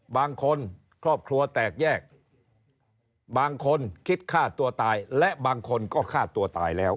บางคนครอบครัวแตกแยกบางคนคิดฆ่าตัวตายและบางคนก็ฆ่าตัวตายแล้ว